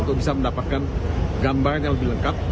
untuk bisa mendapatkan gambaran yang lebih lengkap